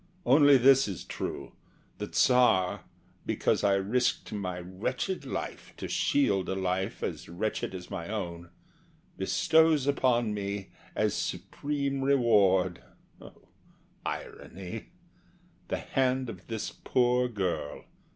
Only this is true: The Tsar, because I risked my wretched life To shield a life as wretched as my own, Bestows upon me, as supreme reward O irony! the hand of this poor girl.